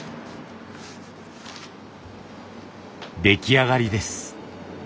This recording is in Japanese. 出来上がりです。